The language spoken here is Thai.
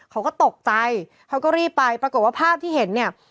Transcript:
เขาก็ตกใจเขาก็รีบไปปรากฏว่าภาพที่เห็นเนี่ย